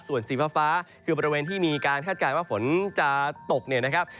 ส่วนสีฟ้าคือบริเวณที่มีการคาดการณ์ว่าฝนจะตกเนี่ยนะครับ